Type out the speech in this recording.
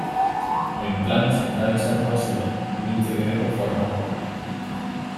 Oinplano zentralizatua zuen, gurutze greko formakoa.